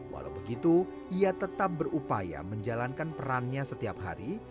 walau begitu ia tetap berupaya menjalankan perannya setiap hari